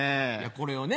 これをね